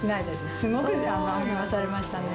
すごく励まされましたね。